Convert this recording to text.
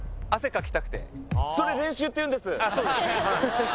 ああそうですね・